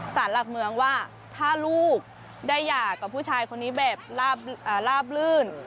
สารหลักเมืองว่าถ้าลูกได้หย่ากับผู้ชายคนนี้แบบลาบลื่น